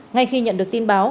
ngay khi nhận được tin báo